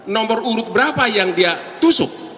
nomor urut berapa yang dia tusuk